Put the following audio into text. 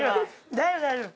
大丈夫大丈夫。